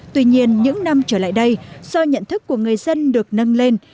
tuy nhiên những năm trở lại đây do nhận thức của người dân được nâng lên